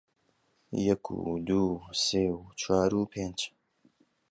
یەک و دوو و سێ و چوار و پێنج